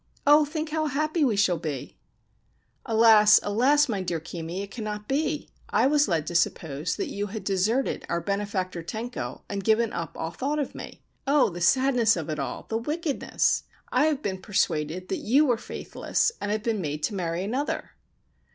Oh, think how happy we shall be !' 4 Alas, alas, my dearest Kimi, it cannot be ! I was led to suppose that you had deserted our benefactor Tenko and given up all thought of me. Oh, the sadness of it 237 Ancient Tales and Folklore of Japan all, the wickedness ! I have been persuaded that you were faithless, and have been made to marry another